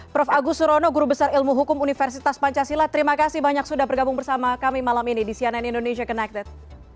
prof agus surono guru besar ilmu hukum universitas pancasila terima kasih banyak sudah bergabung bersama kami malam ini di cnn indonesia connected